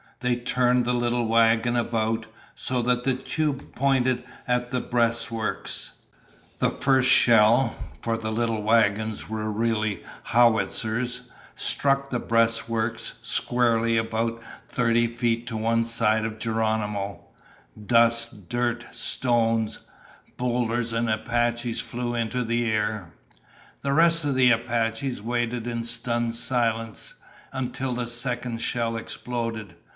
They turned the little wagon about, so that the tube pointed at the breastworks. [Illustration: The first shell struck the breastworks] The first shell for the little wagons were really howitzers struck the breastworks squarely about thirty feet to one side of Geronimo. Dust, dirt, stones, boulders, and Apaches flew into the air. The rest of the Apaches waited in stunned silence until the second shell exploded.